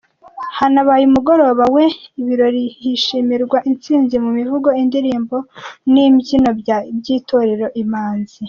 Hanabaye umugoroba w’ibirori hishimirwa intsinzi mu mivugo, indirimbo n’imbyino by’Itorero Imanzi.